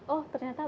oven di dalam kulkas